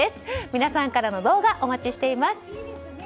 皆さんからの動画お待ちしています。